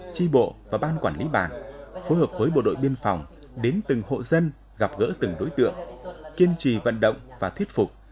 chi bộ và ban quản lý bản phối hợp với bộ đội biên phòng đến từng hộ dân gặp gỡ từng đối tượng kiên trì vận động và thuyết phục